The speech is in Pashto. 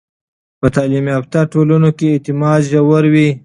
په تعلیم یافته ټولنو کې اعتماد ژور وي.